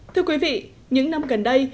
thưa quý vị những năm gần đây